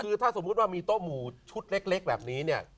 คือถ้าสมมุติว่ามีโต๊ะหมู่ชุดเล็กแบบนี้เนี่ย